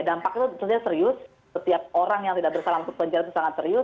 dampak itu tentunya serius setiap orang yang tidak bersalah masuk penjara itu sangat serius